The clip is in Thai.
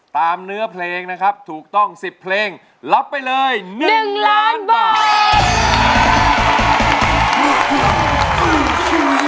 ตามเนื้อเพลงนะครับถูกต้อง๑๐เพลงรับไปเลย๑ล้านบาท